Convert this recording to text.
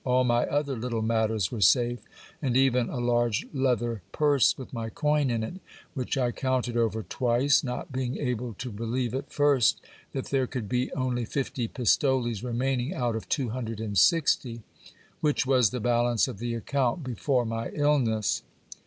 All my other little matters were safe, and even a large leather purse with my coin in it, which I counted over twice, not being able to believe at first that there could be only fifty pistoles remaining out of two hundred and sixty, which was the balance of the account before my illness.